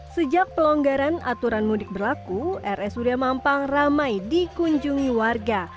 sejak pelonggaran aturan mudik berlaku rsud mampang ramai dikunjungi warga